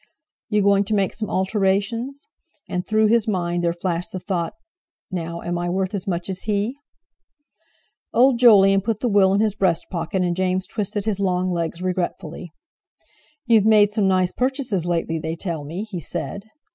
"You going to make some alterations?" And through his mind there flashed the thought: "Now, am I worth as much as he?" Old Jolyon put the Will in his breast pocket, and James twisted his long legs regretfully. "You've made some nice purchases lately, they tell me," he said.